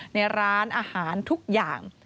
ในร้านอาหารทุกอย่าง